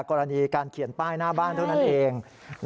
กรณีการเขียนป้ายหน้าบ้านเท่านั้นเอง